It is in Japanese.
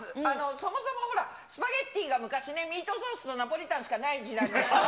そもそもスパゲッティが昔ね、ミートソースとナポリタンしかない時代に。